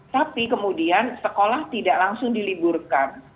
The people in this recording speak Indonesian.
tapi kemudian sekolah tidak langsung diliburkan